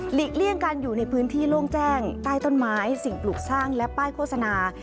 เลี่ยงการอยู่ในพื้นที่โล่งแจ้งใต้ต้นไม้สิ่งปลูกสร้างและป้ายโฆษณา